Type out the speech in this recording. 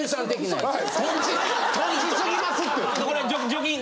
とんちとんち過ぎますって！